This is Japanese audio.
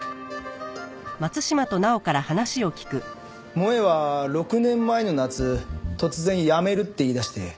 萌絵は６年前の夏突然辞めるって言いだして。